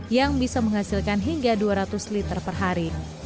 yang bisa menghasilkan hingga dua ratus liter per hari